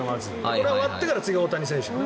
これが終わってから次、大谷選手だな。